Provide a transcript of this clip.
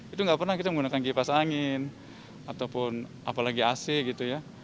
itu nggak pernah kita menggunakan kipas angin ataupun apalagi ac gitu ya